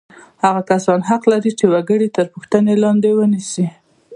هغه کسان حق لري چې وګړي تر پوښتنې لاندې ونیسي.